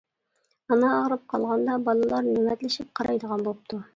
ئانا ئاغرىپ قالغاندا بالىلار نۆۋەتلىشىپ قارايدىغان بوپتۇ.